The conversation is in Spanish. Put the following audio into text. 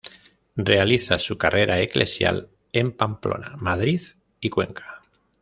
Realiza su carrera eclesial en Pamplona, Madrid y Cuenca.